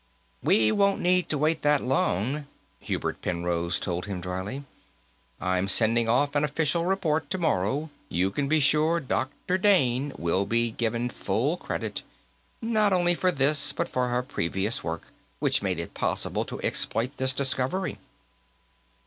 "We won't need to wait that long," Hubert Penrose told him dryly. "I'm sending off an official report, tomorrow; you can be sure Dr. Dane will be given full credit, not only for this but for her previous work, which made it possible to exploit this discovery."